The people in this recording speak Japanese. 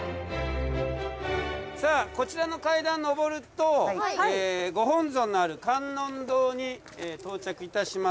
さあこちらの階段上るとご本尊のある観音堂に到着いたします。